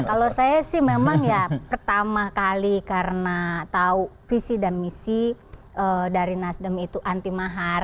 kalau saya sih memang ya pertama kali karena tahu visi dan misi dari nasdem itu anti mahar